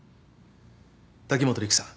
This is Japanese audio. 滝本陸さん